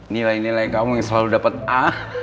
nilai nilai kamu yang selalu dapet a